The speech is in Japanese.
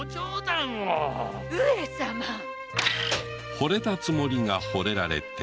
惚れたつもりが惚れられて。